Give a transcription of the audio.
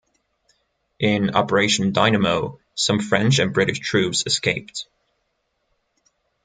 In Operation Dynamo some French and British troops escaped.